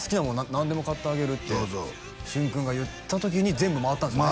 何でも買ってあげるって旬君が言った時に全部回ったんすよね